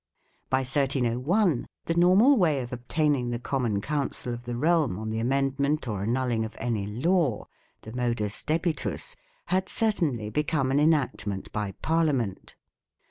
By 1301 the normal way of obtaining the common counsel of the realm on the amendment or annulling of any law the " modus debitus " had certainly be come an enactment by Parliament.